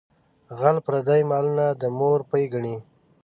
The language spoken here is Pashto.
غل پردي مالونه د مور پۍ ګڼي.